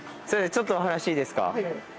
ちょっとお話いいですか？